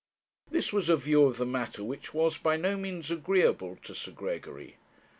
This was a view of the matter which was by no means agreeable to Sir Gregory.